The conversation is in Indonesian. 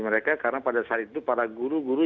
mereka karena pada saat itu para guru guru